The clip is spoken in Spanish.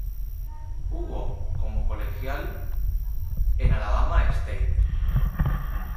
Jugo como colegial en Alabama State.